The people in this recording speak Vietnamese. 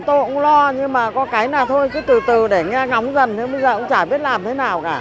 tôi cũng lo nhưng mà có cái nào thôi cứ từ từ để nghe ngóng dần nhưng bây giờ cũng chả biết làm thế nào cả